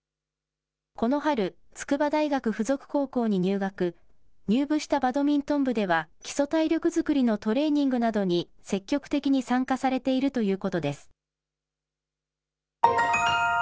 この春、筑波大学附属高校に入学、入部したバドミントン部では、基礎体力作りのトレーニングなどに積極的に参加されているということです。